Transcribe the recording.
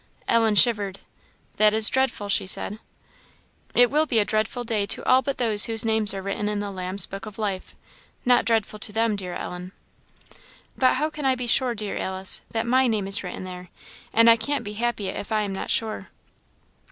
Ellen shivered. "That is dreadful!" she said. "It will be a dreadful day to all but those whose names are written in the Lamb's book of life; not dreadful to them, dear Ellen." "But how shall I be sure, dear Alice, that my name is written there? and I can't be happy if I am not sure."